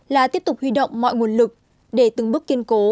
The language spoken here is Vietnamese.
là tiếp tục huy động mọi nguồn lực để từng bước kiên cố